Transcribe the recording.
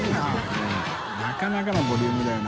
なかなかのボリュームだよな。